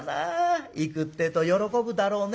行くってえと喜ぶだろうね。